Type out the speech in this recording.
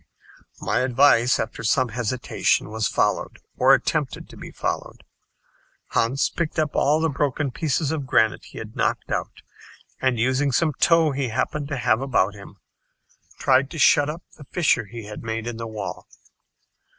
My advice, after some hesitation, was followed or attempted to be followed. Hans picked up all the broken pieces of granite he had knocked out, and using some tow he happened to have about him, tried to shut up the fissure he had made in the wall.